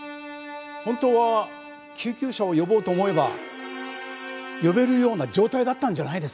本当は救急車を呼ぼうと思えば呼べるような状態だったんじゃないですか？